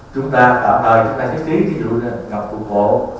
chúng ta tạm thời chúng ta chức trí thí dụ như là ngập cục hộ